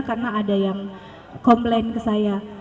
karena ada yang komplain ke saya